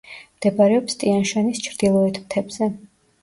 მდებარეობს ტიან-შანის ჩრდილოეთ მთებზე.